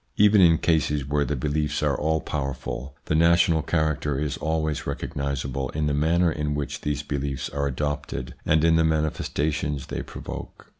Even in cases where the beliefs are all powerful the national character is always recognisable in the manner in which these beliefs are adopted and in the manifestations they provoke.